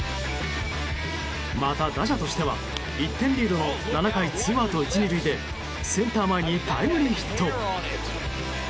また、打者としては１点リードの７回ツーアウト１、２塁でセンター前にタイムリーヒット。